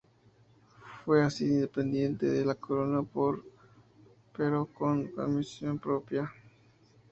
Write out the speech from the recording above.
Fue así dependiente de la corona pero con una administración propia.